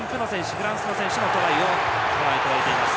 フランスの選手のトライをご覧いただいています。